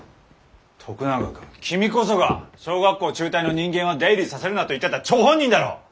徳永君君こそが小学校中退の人間は出入りさせるなと言ってた張本人だろう！？